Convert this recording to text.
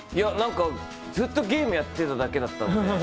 ずっとゲームやってただけだったので。